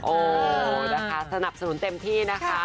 โอ้นะคะสนับสนุนเต็มที่นะคะ